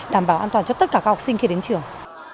đảm bảo an toàn cho tất cả các học sinh khi đến trường